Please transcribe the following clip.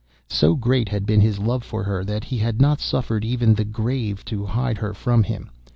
So great had been his love for her that he had not suffered even the grave to hide her from him.